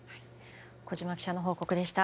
小島記者の報告でした。